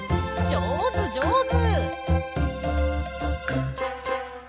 じょうずじょうず！